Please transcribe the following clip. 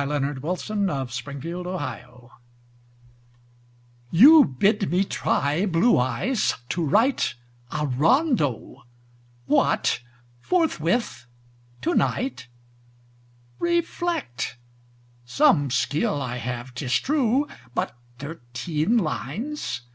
Austin Dobson "You Bid Me Try" YOU bid me try, blue eyes, to write A Rondeau. What! forthwith? tonight? Reflect. Some skill I have, 'tis true; But thirteen lines!